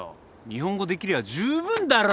日本語できりゃ十分だろ。